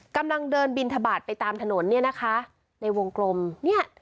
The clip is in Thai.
กำลังเดินบินทบาทไปตามถนนเนี่ยนะคะในวงกลมเนี่ย